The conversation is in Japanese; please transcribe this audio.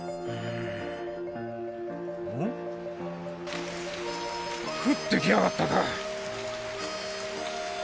ん降ってきやがったか。